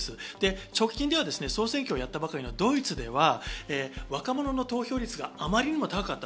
直近では総選挙をやったばかりのドイツでは、若者の投票率があまりにも高かった。